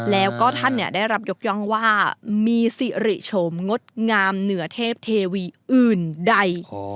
แล้วก็ท่านได้รับยกย่องว่ามีสิริโฉมงดงามเหนือเทพเทวีอื่นใด